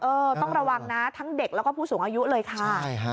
ต้องระวังนะทั้งเด็กแล้วก็ผู้สูงอายุเลยค่ะ